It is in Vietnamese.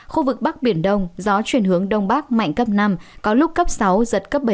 khu vực bắc biển đông gió chuyển hướng đông bắc mạnh cấp năm có lúc cấp sáu giật cấp bảy